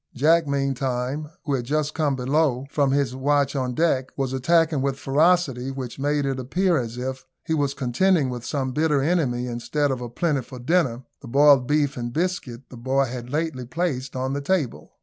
Jack meantime, who had just come below from his watch on deck, was attacking, with a ferocity which made it appear as if he was contending with some bitter enemy, instead of a plentiful dinner, the boiled beef and biscuit the boy had lately placed on the table.